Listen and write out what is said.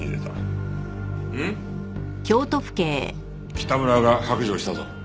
北村が白状したぞ。